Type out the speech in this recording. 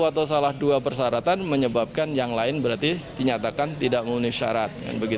atau salah dua persyaratan menyebabkan yang lain berarti dinyatakan tidak memenuhi syarat